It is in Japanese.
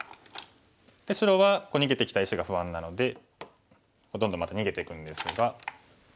で白は逃げてきた石が不安なのでどんどんまた逃げていくんですが。